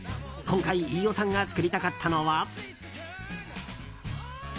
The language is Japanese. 今回、飯尾さんが作りたかったのは。